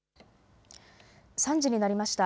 ３時になりました。